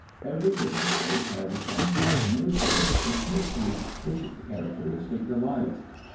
Every living place has its own fascination, its mysteries, its characteristic delights.